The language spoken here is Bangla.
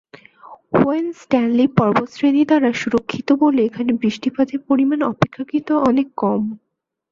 ওয়েন স্ট্যানলি পর্বতশ্রেণী দ্বারা সুরক্ষিত বলে এখানে বৃষ্টিপাতের পরিমাণ অপেক্ষাকৃত অনেক কম।